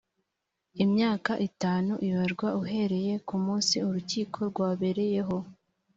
imyaka itanu ibarwa uhereye ku munsi urukiko rwabereyeho